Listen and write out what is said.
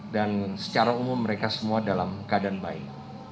dan secara umum mereka semua dalam keadaan baik